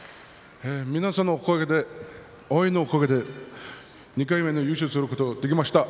皆さんのおかげで応援のおかげで２回目の優勝ができました。